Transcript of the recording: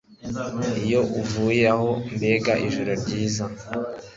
Iyo uvuye aho mbega ijoro ryiza